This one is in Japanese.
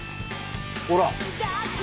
ほら。